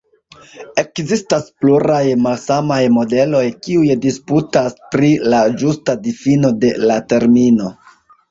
Ekzistas pluraj malsamaj modeloj kiuj disputas pri la ĝusta difino de la termino.